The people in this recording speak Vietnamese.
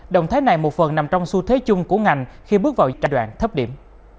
động thái này một phần nằm trong xu thế chung của ngành khi bước vào giai đoạn thấp điểm